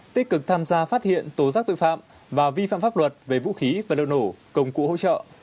tích cực tham gia phát hiện tổ rắc tội phạm và vi phạm pháp luật về vũ khí và lâu nổ công cụ hỗ trợ